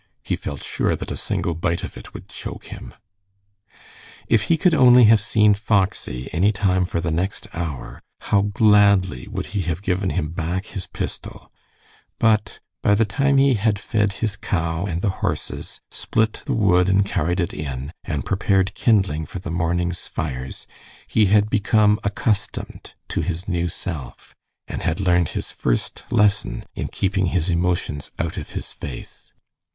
He felt sure that a single bite of it would choke him. If he could only have seen Foxy any time for the next hour, how gladly would he have given him back his pistol, but by the time he had fed his cow and the horses, split the wood and carried it in, and prepared kindling for the morning's fires, he had become accustomed to his new self, and had learned his first lesson in keeping his emotions out of his face.